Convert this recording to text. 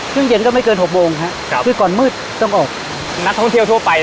ซึ่งเย็นก็ไม่เกิน๖โมงครับคือก่อนมืดต้องออกนักท่องเที่ยวทั่วไป